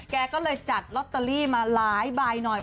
แกก็เลยจัดลอตเตอรี่มาหลายใบหน่อย